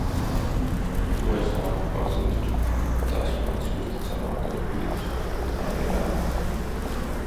To es labi pazīstu. Tas mans uzticamākais biedrs. Tā ir ēna.